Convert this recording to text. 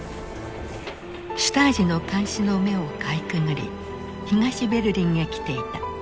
シュタージの監視の目をかいくぐり東ベルリンへ来ていた。